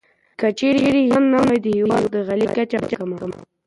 که چيرې هلمند نه وای، د هېواد د غلې کچه به کمه وه.